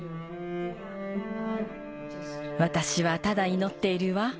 私はただ祈っているわ。